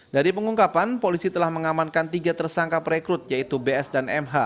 dari pengungkapan polisi telah mengamankan tiga tersangka perekrut yaitu bs dan mh